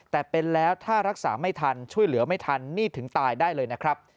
แต่เป็นแล้วถ้ารักษาไม่ทันช่วยเหลือไม่ทันนี่ถึงตายได้เลยนะครับ